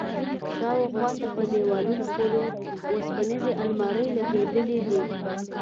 شاوخوا ته په دېوالونو پورې وسپنيزې المارۍ لگېدلي دي.